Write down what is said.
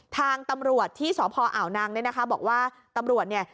ทางตำรวจที่สพอ่าวนังบอกว่าตำรวจเนี่ย